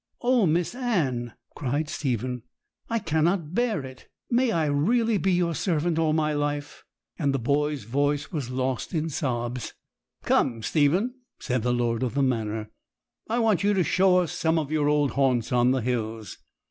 'Oh, Miss Anne!' cried Stephen, 'I cannot bear it! May I really be your servant all my life?' and the boy's voice was lost in sobs. 'Come, Stephen,' said the lord of the manor, 'I want you to show us some of your old haunts on the hills.